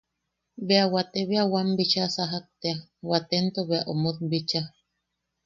Bea wate, bea wan bicha sajak tea, watento bea omot bicha.